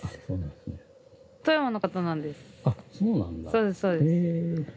そうですそうです。